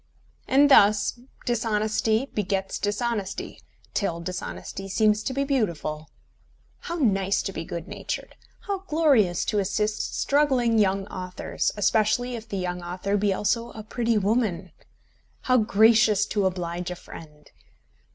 And thus dishonesty begets dishonesty, till dishonesty seems to be beautiful. How nice to be good natured! How glorious to assist struggling young authors, especially if the young author be also a pretty woman! How gracious to oblige a friend!